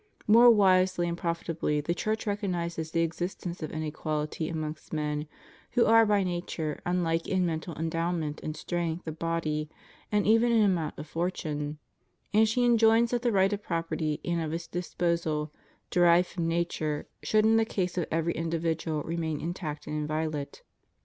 More wisely and profitably the Church recognizes the existence of inequality amongst men, who are by nature unlike in mental endow ment and strength of body, and even in amount of fortune ; and she enjoins that the right of property and of its dis posal, derived from nature, should in the case of every individual remain intact and inviolate.